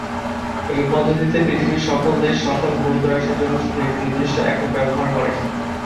এই পদ্ধতিতে পৃথিবীর সকল দেশ সকল ভৌত রাশির জন্য শুধু একটি নির্দিষ্ট একক ব্যবহার করে।